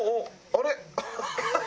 あれ？